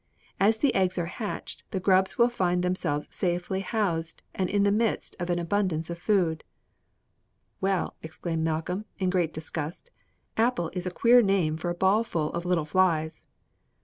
As the eggs are hatched the grubs will find themselves safely housed and in the midst of an abundance of food.'" [Illustration: OAK APPLES.] "Well," exclaimed Malcolm, in great disgust, "apple is a queer name for a ball full of little flies!"